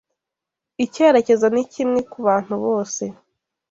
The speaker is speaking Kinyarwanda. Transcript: Icyerekezo n’ikimwe kubanu bose